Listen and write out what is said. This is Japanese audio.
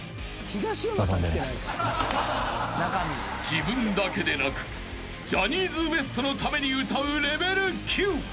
［自分だけでなくジャニーズＷＥＳＴのために歌うレベル９］